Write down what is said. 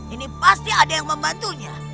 ini pasti ada yang membantunya